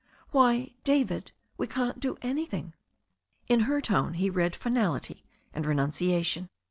"Why, David, we can't do anything." In her tone he read finality and renunciation.